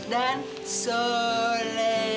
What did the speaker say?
dan dan solea